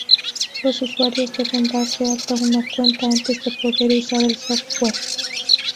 Los usuarios deben dar de alta una cuenta antes de poder usar el software.